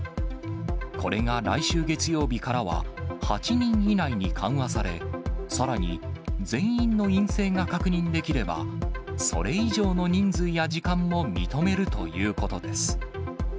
これが来週月曜日からは、８人以内に緩和され、さらに、全員の陰性が確認できれば、それ以上の人数や時間も認めるということです。